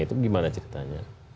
itu bagaimana ceritanya